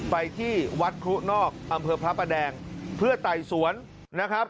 ไปที่วัดครุนอกอำเภอพระประแดงเพื่อไต่สวนนะครับ